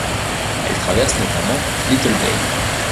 Elle traverse notamment Little Bay.